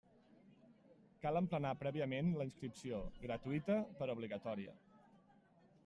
Cal emplenar prèviament la inscripció, gratuïta però obligatòria.